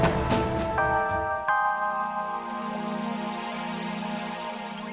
tag skiing juga ga dan ada lebih banyak as waiting tablet juga